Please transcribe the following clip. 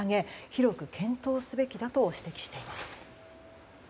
広く検討すべきだと指摘しています。